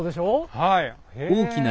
はい。